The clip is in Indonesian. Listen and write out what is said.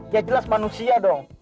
ya jelas manusia dong